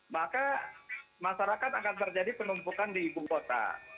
maka masyarakat akan terjadi penumpukan di ibu kota